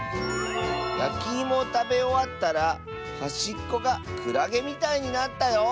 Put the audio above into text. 「やきいもをたべおわったらはしっこがクラゲみたいになったよ」。